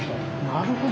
なるほど。